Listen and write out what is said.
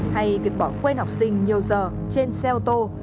hay việc bỏ quên học sinh nhiều giờ trên xe ô tô